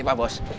iya pak bos